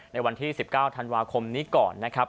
ในวันที่๑๙ธันวาคมนี้ก่อนนะครับ